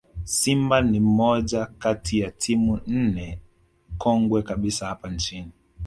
Simba ni moja kati ya timu nne kongwe kabisa hapa nchini